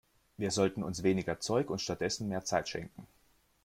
Wir sollten uns weniger Zeug und stattdessen mehr Zeit schenken.